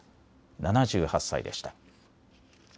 ７８歳でした。